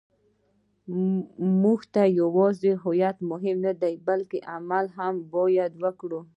موږ ته یوازې هویت مهم نه دی، بلکې عمل باید وکړو.